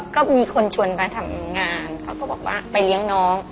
ก็มีคนชวนมาทำงานเขาก็บอกว่าไปเลี้ยงน้อง